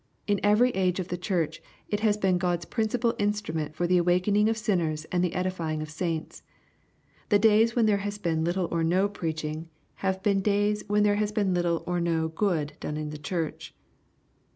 In every age of the Church, it has been God's principal instrument for the awakening of sinners and ^tbe edifying of saints. The days when there has been little or no preaching have been days when there has been little or no good LUKE^ CHAP. IV. 129 done in the Church.